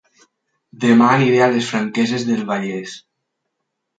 Dema aniré a Les Franqueses del Vallès